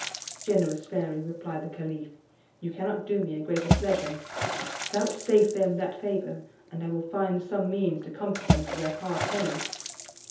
"Generous fairy," replied the caliph, "you cannot do me a greater pleasure; vouchsafe them that favour, and I will find some means to comfort them for their hard penance.